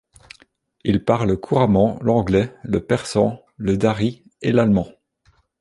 Il parle couramment l'anglais, le persan, le dari et l'allemand.